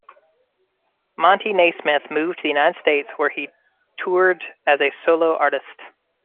Monty Neysmith moved to the United States, where he toured as a solo artist.